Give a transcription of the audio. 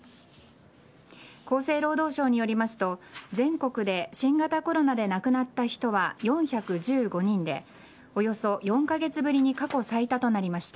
厚生労働省によりますと全国で新型コロナで亡くなった人は４１５人でおよそ４カ月ぶりに過去最多となりました。